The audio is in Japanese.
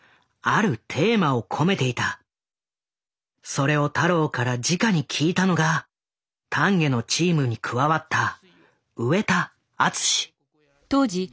それを太郎からじかに聞いたのが丹下のチームに加わった上田篤。